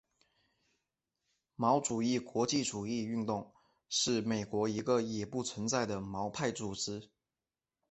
毛主义国际主义运动是美国的一个已不存在的毛派组织。